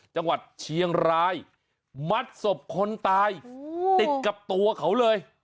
จังหวัดเชียงรายมัดศพคนตายติดกับตัวเขาเลย